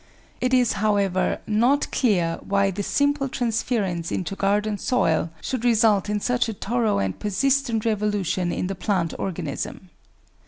It is, however, not clear why the simple transference into garden soil should result in such a thorough and persistent revolution in the plant organism.